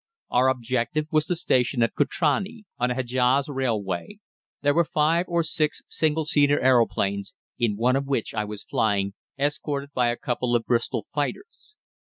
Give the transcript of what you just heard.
Our objective was the station of Kutrani, on the Hedjaz Railway. There were five or six single seater aeroplanes, in one of which I was flying, escorted by a couple of Bristol fighters.